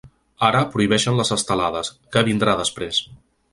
Ara prohibeixen les estelades, què vindrà després?